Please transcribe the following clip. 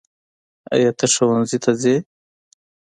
ایا ته ښؤونځي ته څې؟